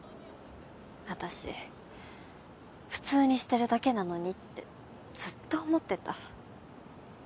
私普通にしてるだけなのにってずっと思ってた。